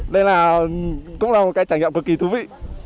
đây cũng là một trải nghiệm cực kỳ thú vị